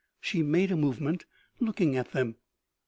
She made a movement, looking at them.